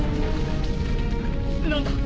何だ！？